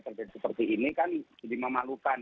terjadi seperti ini kan jadi memalukan